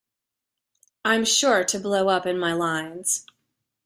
I'm sure to blow up in my lines.